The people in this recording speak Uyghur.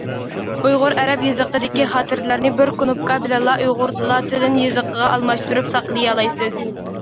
ئۇيغۇر ئەرەب يېزىقىدىكى خاتىرىلەرنى بىر كۇنۇپكا بىلەنلا ئۇيغۇر لاتىن يېزىقىغا ئالماشتۇرۇپ ساقلىيالايسىز.